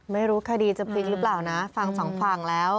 ไม่รู้คดีจะจริงหรือเปล่านะฟังสองฝั่งแล้ว